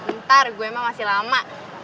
ntar gue emang masih lama